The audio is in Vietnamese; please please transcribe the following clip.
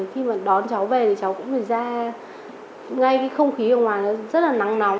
khi mà đón cháu về thì cháu cũng phải ra ngay cái không khí ở ngoài nó rất là nắng nóng